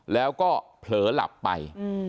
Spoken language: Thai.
แล้วก็เผลอหลับไป